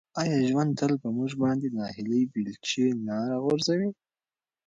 آیا ژوند تل په موږ باندې د ناهیلۍ بیلچې نه راغورځوي؟